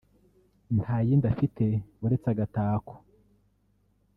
nta yindi afite uretse Agatako’